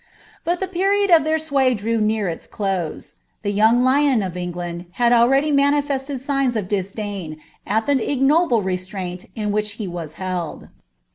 But the period of their sway drew near iU close. I'he young lion of England had already manifested g^ns of dis dain, at the ignoble restrunt, in which he was held.